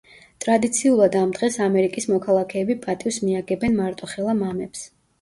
ტრადიციულად ამ დღეს ამერიკის მოქალაქეები პატივს მიაგებენ მარტოხელა მამებს.